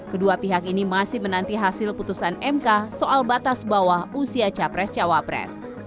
kedua pihak ini masih menanti hasil putusan mk soal batas bawah usia capres cawapres